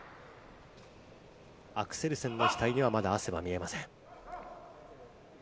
アクセルセンの額には、まだ汗は見えません。